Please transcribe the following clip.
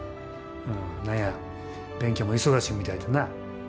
何や勉強も忙しみたいでな。